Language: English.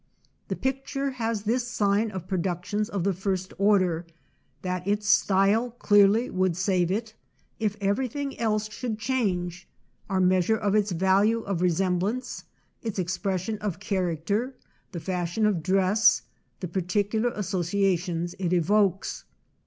The picture has this sign of productions of the first order, that its style clearly would save it, if everything else should change â our measure of its value of resemblance, its expression of charac ter, the fashion of dress, the particular as sociations it evokes.